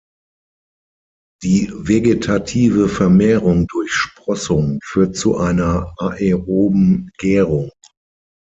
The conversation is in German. Die vegetative Vermehrung durch Sprossung führt zu einer aeroben Gärung.